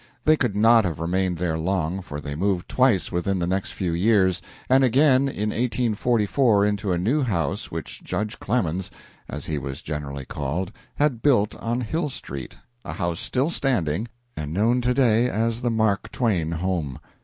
They could not have remained there long, for they moved twice within the next few years, and again in 1844 into a new house which Judge Clemens, as he was generally called, had built on Hill Street a house still standing, and known to day as the Mark Twain home.